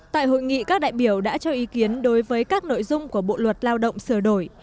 tại hội nghị các đại biểu đã cho ý kiến đối với các nội dung của bộ luật lao động sửa đổi